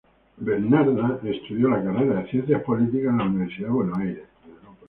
Bernarda estudió la carrera de Ciencias Políticas en la Universidad de Buenos Aires.